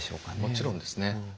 もちろんですね。